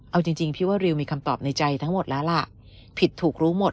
เอาจริงพี่ว่าริวมีคำตอบในใจทั้งหมดแล้วล่ะผิดถูกรู้หมด